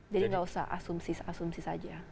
jadi tidak usah asumsi asumsi saja